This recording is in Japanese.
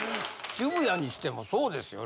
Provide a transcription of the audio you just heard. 渋谷にしてもそうですよ。